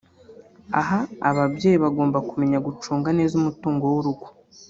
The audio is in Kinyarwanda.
aha ababyeyi bagomba kumenya gucunga neza umutungo w’urugo